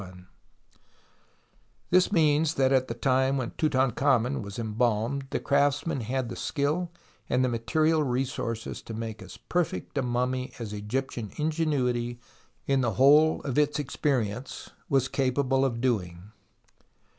3, p. 33), SIGNIFICANCE OF THE DISCOVERT 59 which means that at the time when Tutan khamen was embahned the craftsmen had the skill and the material resources to make as perfect a mummy as Egyptian ingenuity in the whole of its experience was capable of doing